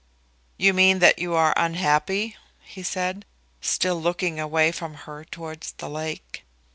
"You mean that you are unhappy?" he said, still looking away from her towards the lake.